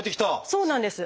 そうなんです。